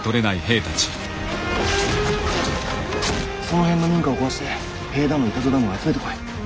その辺の民家を壊して塀だの板戸だの集めてこい。